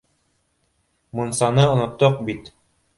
— Мунсаны оноттоҡ бит